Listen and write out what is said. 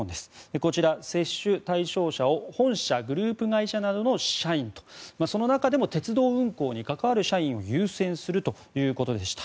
こちら、接種対象者を本社、グループ会社などの社員とその中でも鉄道運行に関わる社員を優先するということでした。